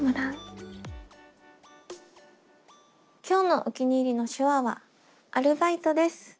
今日のお気に入りの手話は「アルバイト」です。